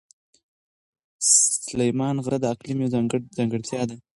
سلیمان غر د اقلیم یوه ځانګړتیا ده.